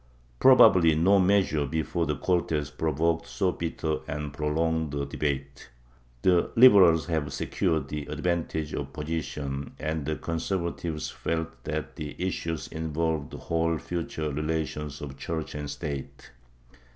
^ Probably no measure before the Cortes provoked so bitter and prolonged a debate. The Liberals had secured the advantage of position, and the Conservatives felt that the issue involved the whole future relations of Church and State.